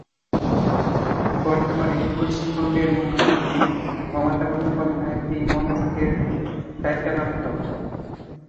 বর্তমানে পশ্চিমবঙ্গের মুখ্যমন্ত্রী মমতা বন্দ্যোপাধ্যায় এই মন্ত্রকের দায়িত্বপ্রাপ্ত।